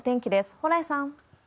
蓬莱さん。